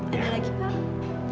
ada lagi pak